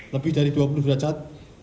lebih dari dua puluh derajat